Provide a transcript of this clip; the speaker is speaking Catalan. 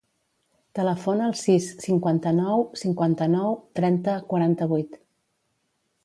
Telefona al sis, cinquanta-nou, cinquanta-nou, trenta, quaranta-vuit.